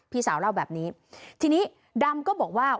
พี่สาวเล่าแบบนี้ทีนี้ดำก็บอกว่า